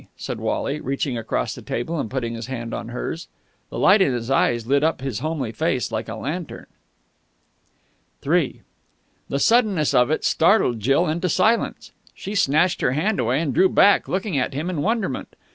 said Wally, reaching across the table and putting his hand on hers. The light in his eyes lit up his homely face like a lantern. III The suddenness of it startled Jill into silence. She snatched her hand away and drew back, looking at him in wonderment.